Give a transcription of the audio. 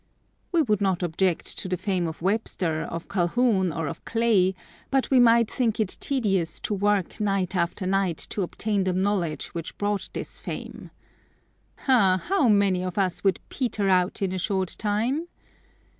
We would not object to the fame of Webster, of Calhoun or of Clay, but we might think it tedious to work night after night to obtain the knowledge which brought this fame. Ah! how many of us would 'peter' out in a short time?